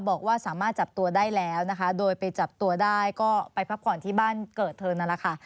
บอกว่าสามารถจับตัวได้แล้วนะคะโดยไปจับตัวได้ก็ไปพักผ่อนที่บ้านเกิดเธอนั่นแหละค่ะ